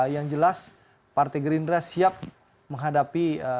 yang jelas partai gerindra siap menghadapi